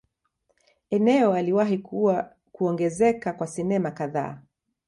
Eneo aliwahi kuwa kuongezeka kwa sinema kadhaa.